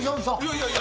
いやいや。